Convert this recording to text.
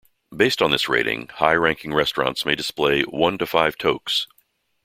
Based on this rating, high-ranking restaurants may display one to five toques.